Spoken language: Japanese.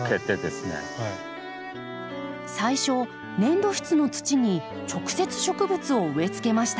最初粘土質の土に直接植物を植えつけました。